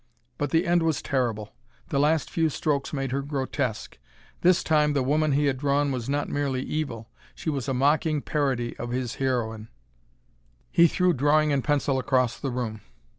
But the end was terrible. The last few strokes made her grotesque. This time the woman he had drawn was not merely evil; she was a mocking parody of his heroine. He threw drawing and pencil across the room.